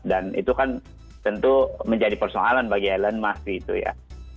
dan itu kan tentu menjadi persoalan bagi elon musk gitu ya